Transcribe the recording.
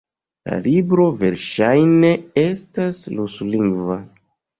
La libro verŝajne estas ruslingva.